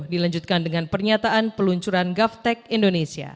dilanjutkan dengan pernyataan peluncuran gaftech indonesia